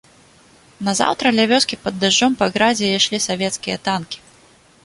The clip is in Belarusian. Назаўтра ля вёскі пад дажджом па гразі ішлі савецкія танкі.